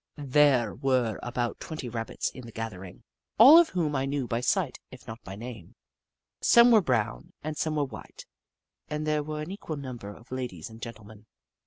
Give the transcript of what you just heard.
There were about twenty Rabbits in the gathering, all of whom I knew by sight if not by name. Some were brown and some were white, and there were an equal number of ladies and gentlemen.